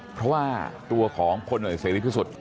เพราะว่าตัวของคนเหนื่อยเศรษฐฤทธิสุทธิ์